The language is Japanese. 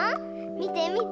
みてみて！